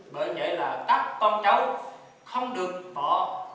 bởi vậy là các con cháu không được bỏ